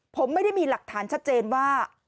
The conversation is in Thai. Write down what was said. ผมไม่ได้มีหลักฐานชัดเจนว่า